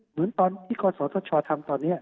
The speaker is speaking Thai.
เหมือนตอนที่กศธชทำตอนนี้